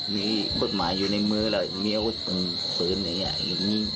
มีปืนหมาอยู่ในมือแล้วเมียก็ต้องปืนอย่างเงี้ย